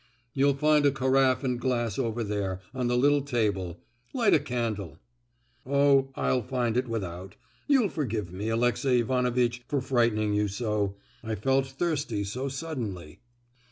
"You'll find a caraffe and glass over there, on the little table. Light a candle." "Oh, I'll find it without. You'll forgive me, Alexey Ivanovitch, for frightening you so; I felt thirsty so suddenly."